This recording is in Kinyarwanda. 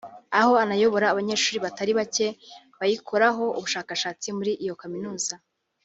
aho anayobora abanyeshuri batari bake bayikoraho ubushakashatsi muri iyo Kaminuza